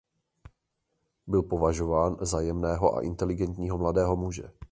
Byl považován za jemného a inteligentního mladého muže.